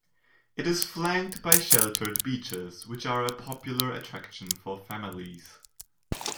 It is flanked by sheltered beaches which are a popular attraction for families.